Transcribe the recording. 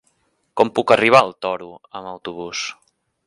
Com puc arribar al Toro amb autobús?